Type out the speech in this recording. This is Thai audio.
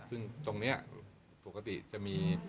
ซึ่งตรงนี้ปกติจะมี